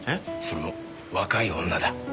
それも若い女だ。